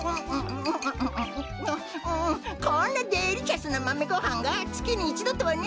うんこんなデリシャスなマメごはんがつきに１どとはね。